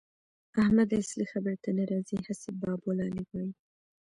احمد اصلي خبرې ته نه راځي؛ هسې بابولالې وايي.